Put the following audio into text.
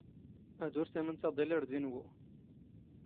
ⴰⴷ ⵓⵔ ⵜⴰⵎⵏⵜ ⴰⴹⵉⵍ ⴰⵔ ⴷ ⵉⵏⵡⵓ